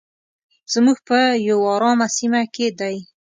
زموږ کور په یو ارامه سیمه کې دی.